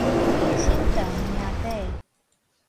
身長命短